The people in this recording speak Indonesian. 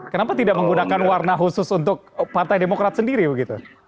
kenapa tidak menggunakan warna khusus untuk partai demokrat sendiri begitu